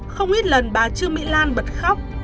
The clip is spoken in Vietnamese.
không ít lần bà trương mỹ lan bật khóc